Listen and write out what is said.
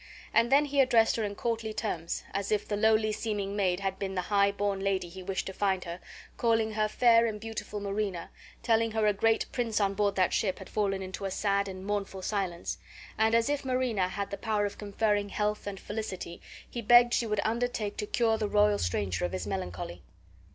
And then he addressed her in courtly terms, as if the lowly seeming maid had been the high born lady he wished to find her, calling her FAIR AND BEAUTIFUL MARINA, telling her a great prince on board that ship had fallen into a sad and mournful silence; and, as if Marina had the power of conferring health and felicity, he begged she would undertake to cure the royal stranger of his melancholy.